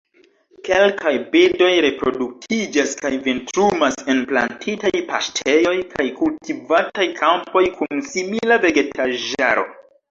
Kelkaj birdoj reproduktiĝas kaj vintrumas en plantitaj paŝtejoj kaj kultivataj kampoj kun simila vegetaĵaro.